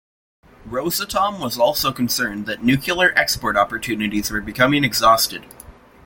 Rosatom was also concerned that nuclear export opportunities were becoming exhausted.